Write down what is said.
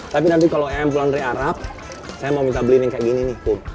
tapi nanti kalau em pulang dari arab saya mau minta beli nih yang kayak gini nih